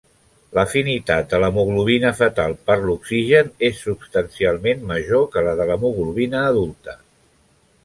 L’afinitat de l’hemoglobina fetal per l’oxigen és substancialment major que la de l’hemoglobina adulta.